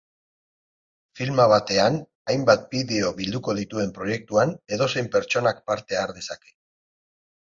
Filma batean hainbat bideo bilduko dituen proiektuan edozein pertsonak parte har dezake.